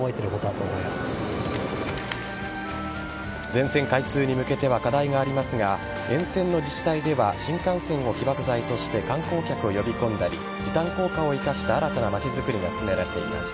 全線開通に向けては課題がありますが沿線の自治体では新幹線を起爆剤として観光客を呼び込んだり時短効果を生かした新たなまちづくりが進められています。